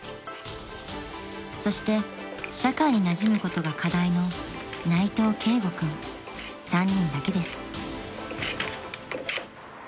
［そして社会になじむことが課題の内藤恵悟君３人だけです］